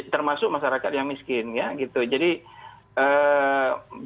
termasuk masyarakat yang miskin